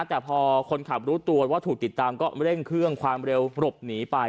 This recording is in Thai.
แต่พอคนขับรู้ตัวว่าถูกติดตามก็เร่งเครื่องความเร็วหลบหนีไป